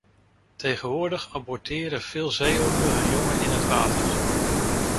Tegenwoordig aborteren veel zeehonden hun jongen in het water.